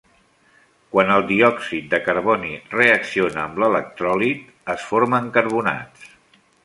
Quan el diòxid de carboni reacciona amb l'electròlit es formen carbonats.